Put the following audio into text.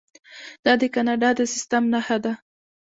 دا د کاناډا د سیستم نښه ده.